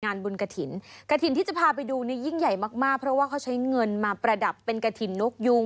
งานบุญกฐินกฐินที่จะพาไปดูเนี่ยยิ่งใหญ่มากเพราะว่าเขาใช้เงินมาประดับเป็นกฐินนกยูง